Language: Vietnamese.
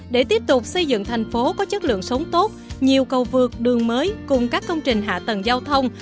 để tiếp tục xây dựng thành phố có chất lượng sống tốt nhiều cầu vượt đường mới cùng các công trình hạ tầng giao thông